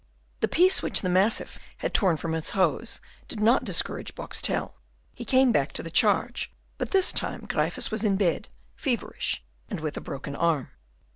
The piece which the mastiff had torn from his hose did not discourage Boxtel. He came back to the charge, but this time Gryphus was in bed, feverish, and with a broken arm.